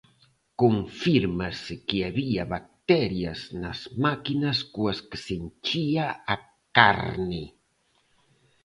Confírmase que había bacterias nas máquinas coas que se enchía a carne.